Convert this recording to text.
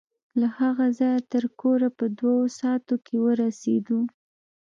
له هغه ځايه تر کوره په دوو ساعتو کښې ورسېدو.